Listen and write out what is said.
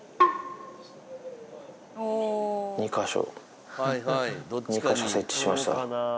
２か所２か所設置しました。